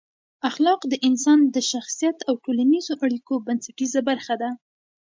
اخلاق د انسان د شخصیت او ټولنیزو اړیکو بنسټیزه برخه ده.